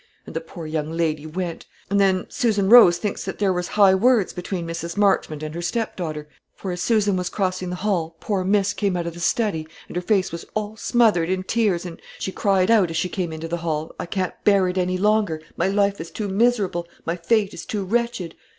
And the poor young lady went; and then Susan Rose thinks that there was high words between Mrs. Marchmont and her stepdaughter; for as Susan was crossing the hall poor Miss came out of the study, and her face was all smothered in tears, and she cried out, as she came into the hall, 'I can't bear it any longer. My life is too miserable; my fate is too wretched!'